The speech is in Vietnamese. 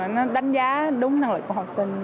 nó đánh giá đúng năng lực của học sinh